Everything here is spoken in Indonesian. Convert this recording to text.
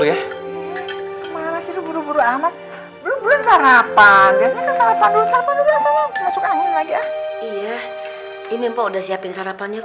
iya ini mpok udah siapin sarapannya kok